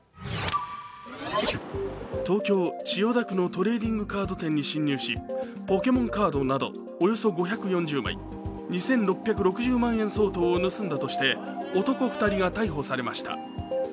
東京・千代田区のトレーディングカード店に侵入しポケモンカードなどおよそ５４０枚、２６６０万円相当を盗んだとして男２人が逮捕されました。